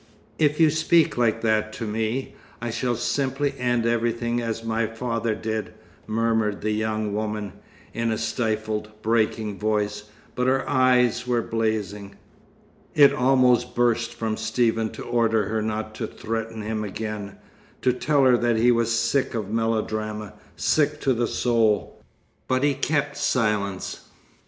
"If you speak like that to me, I shall simply end everything as my father did," murmured the young woman, in a stifled, breaking voice. But her eyes were blazing. It almost burst from Stephen to order her not to threaten him again, to tell her that he was sick of melodrama, sick to the soul; but he kept silence.